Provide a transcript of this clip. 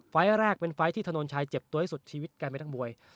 ไฟล์แรกเป็นไฟล์ที่ถนนชัยเจ็บตัวที่สุดชีวิตกันไปทั้งมวย